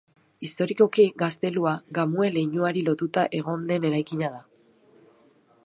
Historikoki, gaztelua, Gamue leinuari lotuta egon den eraikina da.